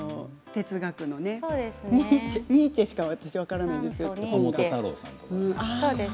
私はニーチェしか分からないんですけども。